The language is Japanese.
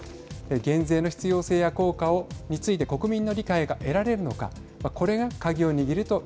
減税の実用性や効果について国民の理解が得られるのかはい。